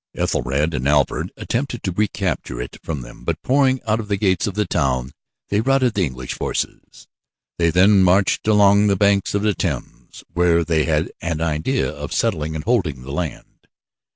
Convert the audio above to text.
Ethelred and Alfred attempted to recapture it from them, but pouring out of the gates of the town they routed the English forces. They then marched along the banks of the Thames where they had an idea of settling and holding the land.